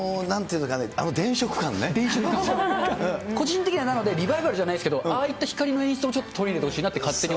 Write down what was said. あのなんて言うのかね、個人的には、なのでリバイバルじゃないけど、あの光の演出もちょっと取り入れてほしいなって